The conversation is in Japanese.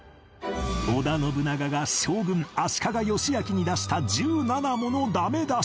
織田信長が将軍足利義昭に出した１７ものダメ出し